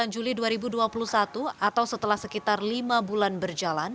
dua puluh juli dua ribu dua puluh satu atau setelah sekitar lima bulan berjalan